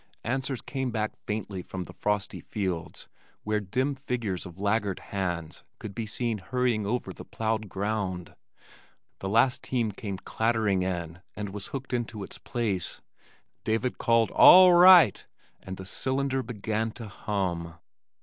Answers came back faintly from the frosty fields where dim figures of laggard hands could be seen hurrying over the plowed ground, the last team came clattering in and was hooked into its place, David called "All right!" and the cylinder began to hum.